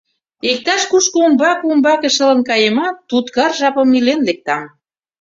Иктаж-кушко умбаке-умбаке шылын каемат, туткар жапым илен лектам.